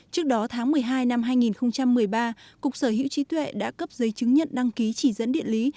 trước đó tháng một mươi hai năm hai nghìn một mươi ba cục sở hữu trí tuệ đã cấp giấy chứng nhận đăng ký chỉ dẫn địa lý